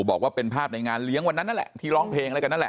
บอกว่าเป็นภาพในงานเลี้ยงวันนั้นนั่นแหละที่ร้องเพลงอะไรกันนั่นแหละ